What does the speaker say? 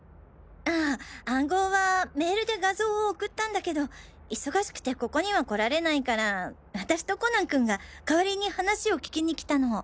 あ暗号はメールで画像を送ったんだけど忙しくてここには来られないから私とコナン君が代わりに話を聞きに来たの。